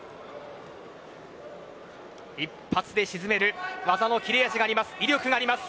一発で沈める技の切れ味があります。